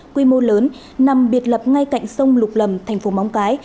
quy mô lớn nằm biệt lập ngay cạnh sông lục lầm tp móng cái